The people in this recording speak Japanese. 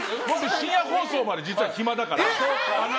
深夜放送まで実は暇だから。